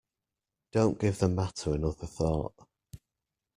Don't give the matter another thought.